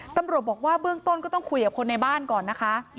ตำรวจบอกว่าเบื้องต้นก็ต้องคุยกับคนในบ้านก่อนนะคะ